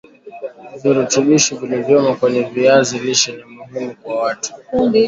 virutubishi vilivyomo kwenye viazi lishe ni muhimu kwa watu